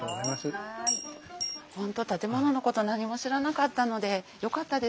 本当建物のこと何も知らなかったのでよかったです。